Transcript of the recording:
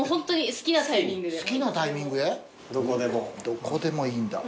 どこでもいいんだ。